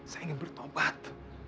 saya ingin bertobat